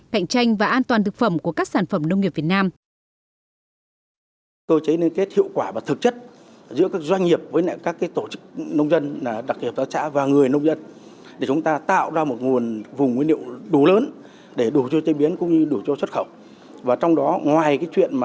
cạnh tranh và an toàn thực phẩm của các sản phẩm nông nghiệp việt nam